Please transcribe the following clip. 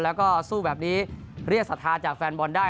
แล้วก็สู้แบบนี้เรียกศรัทธาจากแฟนบอลได้